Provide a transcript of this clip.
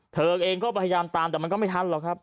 เธอเองก็พยายามตามแต่มันก็ไม่ทันหรอกครับ